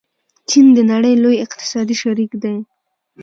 چین د نړۍ لوی اقتصادي شریک دی.